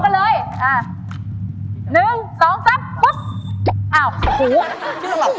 พี่ต้องหลับตามเหรอ